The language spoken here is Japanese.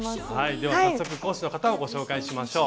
では早速講師の方をご紹介しましょう。